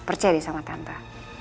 percaya deh sama tante